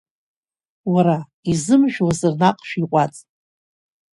Уара, изымжәуазар наҟ шәиҟәаҵ!